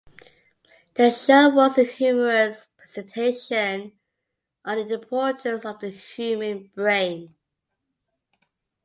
The show was a humorous presentation on the importance of the human brain.